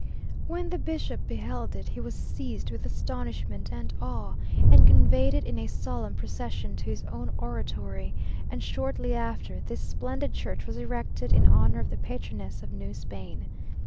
When the bishop beheld it, he was seized with astonishment and awe, and conveyed it in a solemn procession to his own oratory, and shortly after, this splendid church was erected in honour of the patroness of New Spain.